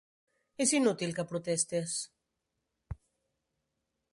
És inútil que protestes.